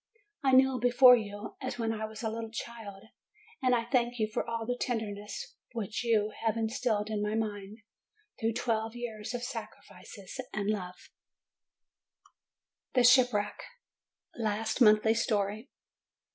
I kneel before you, as when I was a little child; I thank you for all the tenderness which you THE SHIPWRECK 331 have instilled into my mind through twelve years of sacrifices and love. THE SHIPWRECK (Last Monthly Story.)